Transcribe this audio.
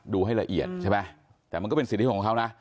ให้ละเอียดใช่ไหมแต่มันก็เป็นสิทธิของเขานะ